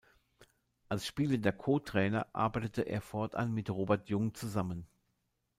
Als spielender Co-Trainer arbeitete er fortan mit Robert Jung zusammen.